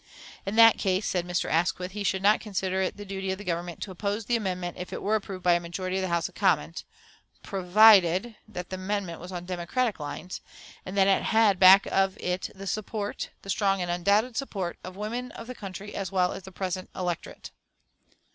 In that case, said Mr. Asquith, he should not consider it the duty of the Government to oppose the amendment if it were approved by a majority of the House of Commons provided that the amendment was on democratic lines, and that it had back of it the support, the strong and undoubted support, of the women of the country as well as the present electorate.